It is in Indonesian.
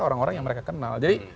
orang orang yang mereka kenal jadi